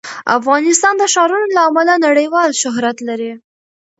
افغانستان د ښارونو له امله نړیوال شهرت لري.